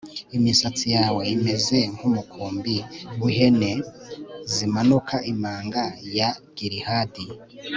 imisatsi yawe imeze nk'umukumbi w'ihene zimanuka imanga ya gilihadi